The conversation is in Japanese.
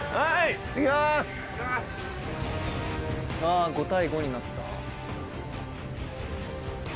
あ５対５になった。